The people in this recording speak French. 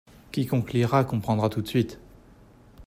Quiconque lira comprendra tout de suite.